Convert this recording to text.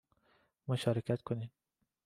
مشارکت کنین